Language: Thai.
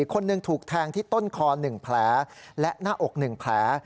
คนหนึ่งถูกแทงที่ต้นคอ๑แผลและหน้าอก๑แผล